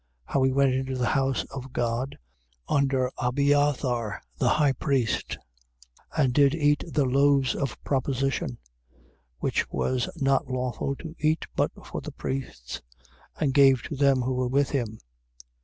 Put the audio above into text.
2:26. How he went into the house of God, under Abiathar the high priest, and did eat the loaves of proposition, which was not lawful to eat but for the priests, and gave to them who were with him?